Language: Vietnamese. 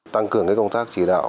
tăng cường công tác chỉ đạo